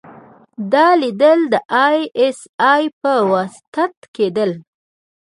دا ليدل د ای اس ای په وساطت کېدل.